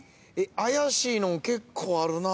怪しいの結構あるな。